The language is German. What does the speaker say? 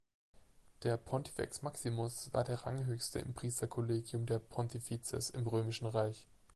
Der "Pontifex Maximus" war der Ranghöchste im Priesterkollegium der "pontifices" im Römischen Reich.